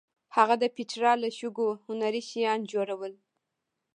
هغه د پېټرا له شګو هنري شیان جوړول.